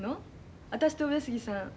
私と上杉さん